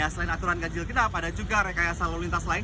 selain aturan ganjil genap ada juga rekayasa lalu lintas lain